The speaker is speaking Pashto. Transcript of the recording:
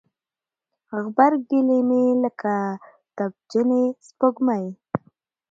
غبرګي لیمې لکه تبجنې سپوږمۍ